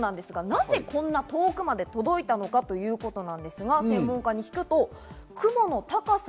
なぜこんな遠くまで届いたのかということですが、専門家に聞くと、雲の高さ。